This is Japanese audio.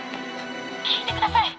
聞いてください！